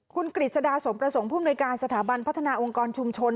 คุณกริษดาสมประสงค์ผู้ในการสถาบรรยาองค์การชุมชน